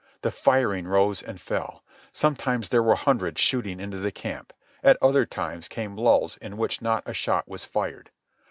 The firing rose and fell. Sometimes there were hundreds shooting into the camp. At other times came lulls in which not a shot was fired.